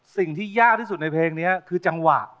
สิ่งที่ยากที่สุดในเพลงนี้คือจังหวะ